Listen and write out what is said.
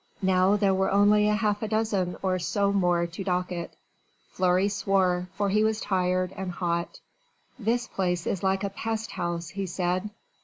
Now there were only half a dozen or so more to docket. Fleury swore, for he was tired and hot. "This place is like a pest house," he said.